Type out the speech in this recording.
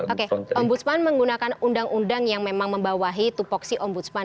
om busman menggunakan undang undang yang memang membawahi tupoksi om busman